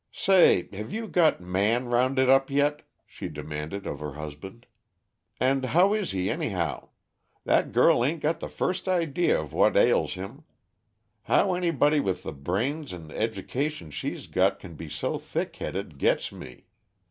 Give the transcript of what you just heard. "Say! have you got Man rounded up yit?" she demanded of her husband. "And how is he, anyhow? That girl ain't got the first idea of what ails him how anybody with the brains and education she's got can be so thick headed gits me.